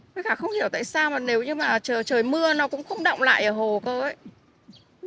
với cả không hiểu tại sao mà nếu như mà trời mưa nó cũng không động lại ở hồ cơ ấy